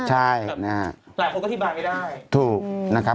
ใช่หลายคนก็อธิบายไม่ได้